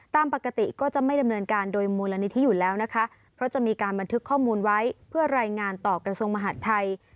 ตามปกติก็จะไม่ดำเนินการโดยมูลนิธิอยู่แล้วนะคะเพราะจะมีการบันทึกข้อมูลไว้เพื่อรายงานต่อกระทรวงมหาดไทย